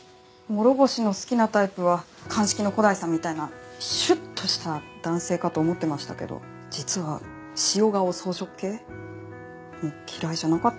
諸星の好きなタイプは鑑識の古代さんみたいなシュッとした男性かと思ってましたけど実は塩顔草食系も嫌いじゃなかったんですかね。